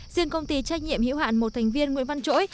riêng công ty trách nhiệm hữu hạn một thành viên nguyễn văn chỗi